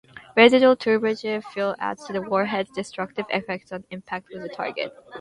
Residual turbojet fuel adds to the warhead's destructive effects on impact with the target.